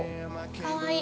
◆かわいい。